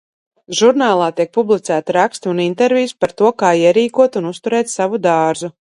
Žurnālā tiek publicēti raksti un intervijas par to, kā ierīkot un uzturēt savu dārzu.